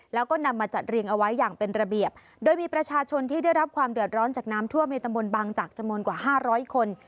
แล้วก็นำมาจัดเรียงเอาไว้อย่างเป็นระเบียบโดยมีประชาชนที่ได้รับความเดือดร้อนจากน้ำท่วมในตำบลบางจักรจำนวนกว่าห้าร้อยคน